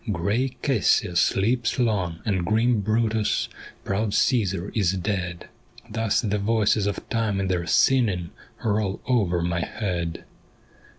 ' Grey Cassius sleeps long, and grim Brutus, Proud Caesar is dead '; Thus the voices of time in their singing Roll over my head.